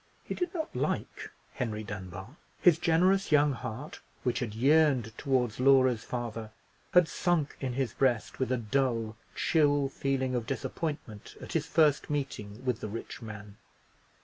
He did not like Henry Dunbar. His generous young heart, which had yearned towards Laura's father, had sunk in his breast with a dull, chill feeling of disappointment, at his first meeting with the rich man.